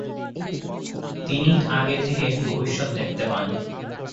তিনি আগে থেকে ভবিষ্যত দেখতে পান।